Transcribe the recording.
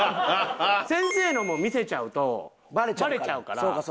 先生のも見せちゃうとバレちゃうから。